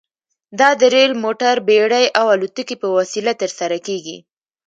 دا د ریل، موټر، بېړۍ او الوتکې په وسیله ترسره کیږي.